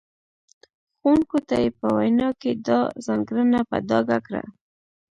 ښوونکو ته یې په وینا کې دا ځانګړنه په ډاګه کړه.